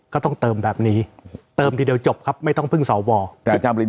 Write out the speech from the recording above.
ก็ต้องเติมแบบนี้เติมที่เดี๋ยวจบครับไม่ต้องเพิ่งสอบวอร์